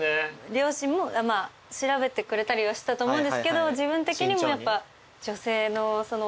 両親も調べてくれたりはしたと思うんですけど自分的にもやっぱ女性のそのお姉さん。